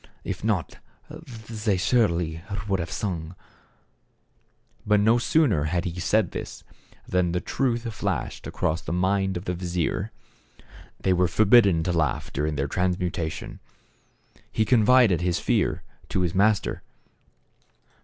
If not they surely would have sung !" But no sooner had he said this than the truth flashed across the mind of the vizier. They were forbidden to laugh during their transmuta tion. He confided his fear to his master.